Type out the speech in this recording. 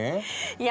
いや。